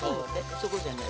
そこじゃない。